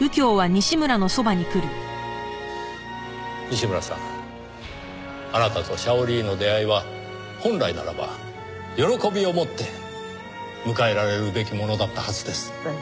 西村さんあなたとシャオリーの出会いは本来ならば喜びをもって迎えられるべきものだったはずです。